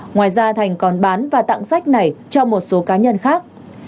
ngoài ra thành còn bán và tặng sách này cho một số cá nhân khác